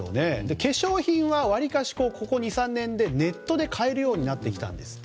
化粧品はわりかし、ここ２３年でネットで買えるようになってきたんですって